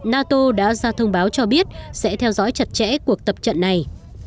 nato đã ra thông báo cho biết sẽ theo dõi chặt chẽ cuộc tập trận này